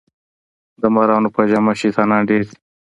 د مارانو په جامه شیطانان ډیر دي